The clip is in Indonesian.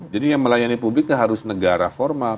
jadi yang melayani publik harus negara formal